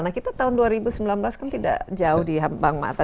nah kita tahun dua ribu sembilan belas kan tidak jauh di hambang mata